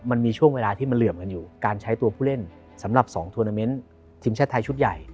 มันมีช่วงเวลาที่มันเหลื่อมกันอยู่การใช้ตัวผู้เล่นสำหรับ๒ทวนาเมนต์ทีมชาติไทยชุดใหญ่